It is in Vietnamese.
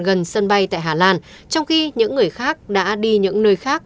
gần sân bay tại hà lan trong khi những người khác đã đi những nơi khác